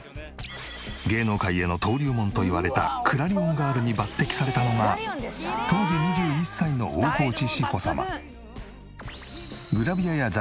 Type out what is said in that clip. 芸能界への登竜門といわれたクラリオンガールに抜擢されたのが当時２１歳の大河内志保様。